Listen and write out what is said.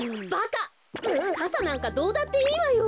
かさなんかどうだっていいわよ。